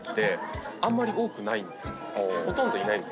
ほとんどいないんですね。